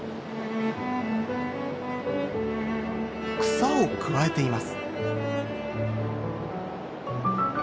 草をくわえています。